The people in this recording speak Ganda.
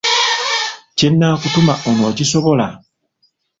Kye nnaakutuma onookisobola?